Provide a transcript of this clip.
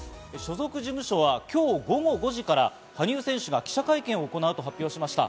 所属事務所は今日午後５時から羽生選手が記者会見を行うと発表しました。